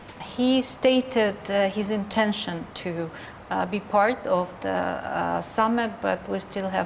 dia mengatakan intinya untuk menjadi bagian dari pemerintah tapi kita masih ada lima bulan yang perlu dilakukan